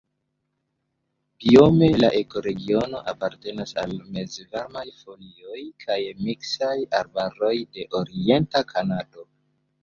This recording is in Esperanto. Biome la ekoregiono apartenas al mezvarmaj foliaj kaj miksaj arbaroj de orienta Kanado.